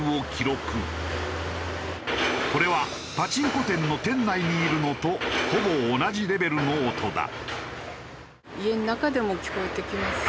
これはパチンコ店の店内にいるのとほぼ同じレベルの音だ。